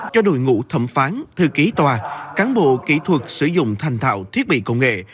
cho đội ngũ thẩm phán thư ký tòa cán bộ kỹ thuật sử dụng thành thạo thiết bị công nghệ